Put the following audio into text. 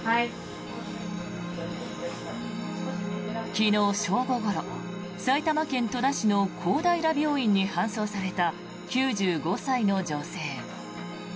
昨日正午ごろ、埼玉県戸田市の公平病院に搬送された９５歳の女性。